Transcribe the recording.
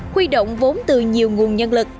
huy động vốn từ nhiều nguồn nhân lực